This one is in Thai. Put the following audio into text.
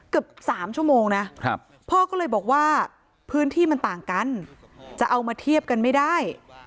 เกือบ๓ชั่วโมงนะพ่อก็เลยบอกว่าพื้นที่มันต่างกันจะเอามาเทียบกันไม่ได้